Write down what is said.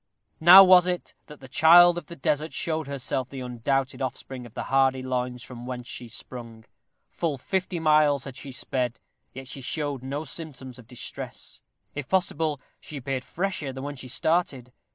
Now was it that the child of the desert showed herself the undoubted offspring of the hardy loins from whence she sprung. Full fifty miles had she sped, yet she showed no symptoms of distress. If possible, she appeared fresher than when she started.